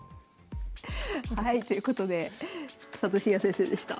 はいということで佐藤紳哉先生でした。